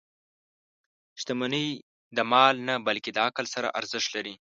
• شتمني د مال نه، بلکې د عقل سره ارزښت لري.